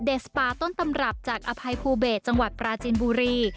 สปาต้นตำรับจากอภัยภูเบสจังหวัดปราจินบุรี